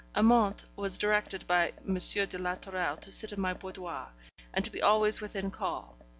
Amante was directed by M. de la Tourelle to sit in my boudoir, and to be always within call.